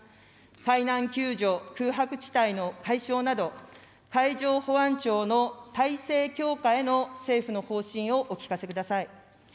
海難救助空白地帯のたいしょうなど、海上保安庁の体制強化への政府の方針をお聞かせください。